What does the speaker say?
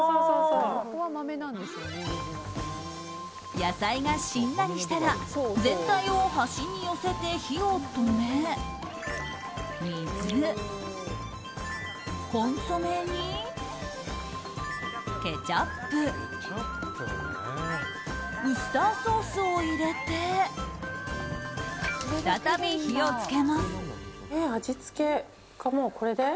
野菜がしんなりしたら全体を端に寄せて火を止め水、コンソメにケチャップウスターソースを入れて再び火を付けます。